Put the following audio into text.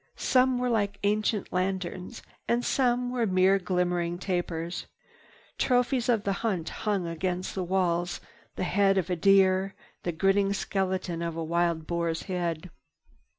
Some were like ancient lanterns, and some were mere glimmering tapers. Trophies of the hunt hung against the walls—the head of a deer, the grinning skeleton of a wild boar's head.